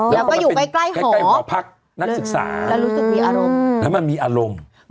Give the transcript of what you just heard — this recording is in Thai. แล้วก็อยู่ใกล้ใกล้หอหอพักนั้นศึกษาแล้วอืมแล้วมันมีอารมณ์